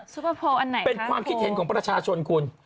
เปอร์โพลอันไหนเป็นความคิดเห็นของประชาชนคุณ